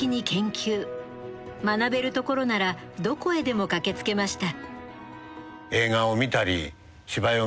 学べるところならどこへでも駆けつけました。